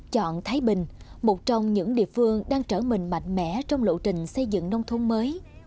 chọn thái bình một trong những địa phương đang trở mình mạnh mẽ trong lộ trình xây dựng nông thôn mới